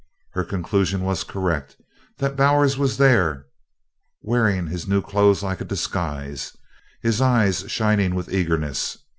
Her conclusion was correct that Bowers was there, wearing his new clothes like a disguise, his eyes shining with eagerness.